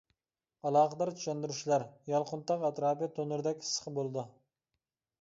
ئالاقىدار چۈشەندۈرۈشلەر يالقۇنتاغ ئەتراپى تونۇردەك ئىسسىق بولىدۇ.